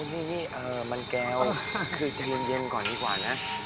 นี่มันแก้วคือใจเย็นก่อนดีกว่านะ